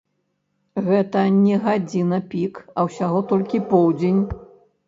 Гэта не гадзіна-пік, а ўсяго толькі поўдзень.